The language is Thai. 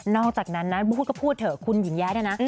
อกจากนั้นนะบูธก็พูดเถอะคุณหญิงแย้เนี่ยนะ